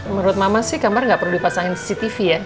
menurut mama sih kamar gak perlu dipasangin cctv ya